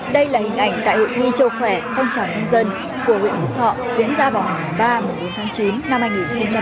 đây là hình ảnh tại hội thi châu khỏe phong trào nông dân của huyện phúc thọ diễn ra vào ngày ba bốn tháng chín năm hai nghìn hai mươi ba